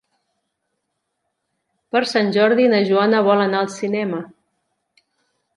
Per Sant Jordi na Joana vol anar al cinema.